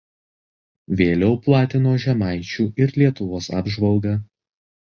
Vėliau platino „Žemaičių ir Lietuvos apžvalgą“.